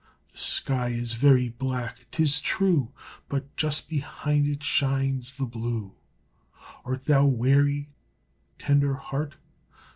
The sky is very black, 'tis true, But just behind it shines The blue. Art thou weary, tender heart?